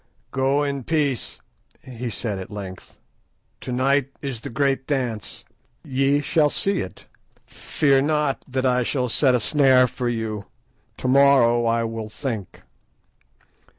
"Go in peace," he said at length. "To night is the great dance. Ye shall see it. Fear not that I shall set a snare for you. To morrow I will think."